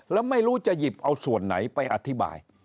แล้วไม่รู้จะหยิบเอาส่วนไหนไปอธิบาย